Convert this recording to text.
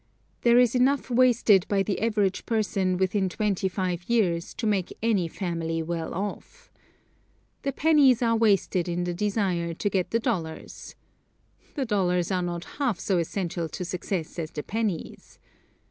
There is enough wasted by the average person within twenty five years to make any family well off. The pennies are wasted in the desire to get the dollars. The dollars are not half so essential to success as the pennies.